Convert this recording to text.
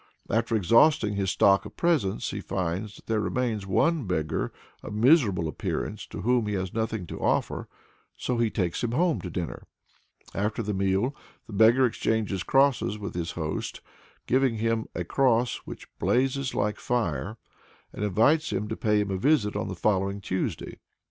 After exhausting his stock of presents, he finds that there remains one beggar of miserable appearance to whom he has nothing to offer, so he takes him home to dinner. After the meal the beggar exchanges crosses with his host, giving him "a cross which blazes like fire," and invites him to pay him a visit on the following Tuesday.